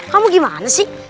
kamu gimana sih